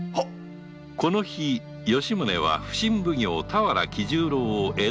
この日吉宗は普請奉行・田原喜十郎を江戸城に呼んだ